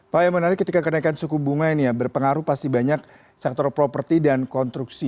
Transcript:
pak yang menarik ketika kenaikan suku bunga ini ya berpengaruh pasti banyak sektor properti dan konstruksi